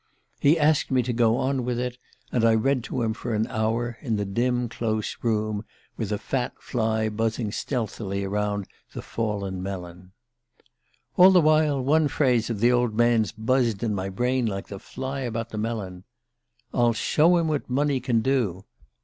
He asked me to go on with it, and I read to him for an hour, in the dim close room, with a fat fly buzzing stealthily about the fallen melon. "All the while one phrase of the old man's buzzed in my brain like the fly about the melon. '_I'll show him what money can do!